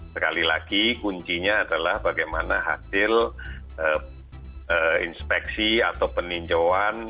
sekali lagi kuncinya adalah bagaimana hasil inspeksi atau peninjauan